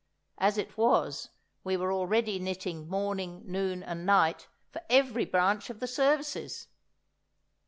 As it was, we were already knitting morning, noon, and night, for every branch of the Services!